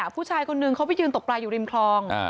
ผู้ชายคนนึงเขาไปยืนตกปลาอยู่ริมคลอง